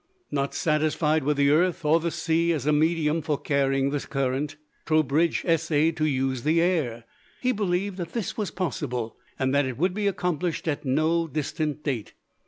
Not satisfied with the earth or the sea as a medium for carrying the current, Trowbridge essayed to use the air. He believed that this was possible, and that it would be accomplished at no distant date.